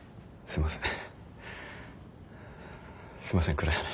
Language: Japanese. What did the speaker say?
すいません。